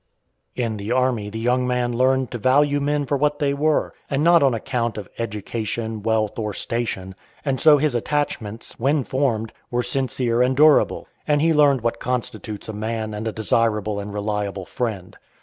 In the army the young man learned to value men for what they were, and not on account of education, wealth, or station; and so his attachments, when formed, were sincere and durable, and he learned what constitutes a man and a desirable and reliable friend.